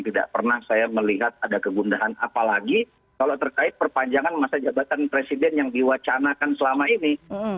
tidak pernah saya melihat ada kegundahan apalagi kalau terkait perpanjangan masa jabatan presiden yang diwacanakan selama ini